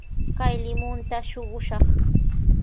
Kay limunta shuqushaq.